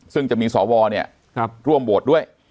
ซึ่งจะมีสวร่วมโหวตด้วย